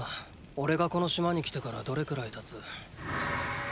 おれがこの島に来てからどれくらい経つ？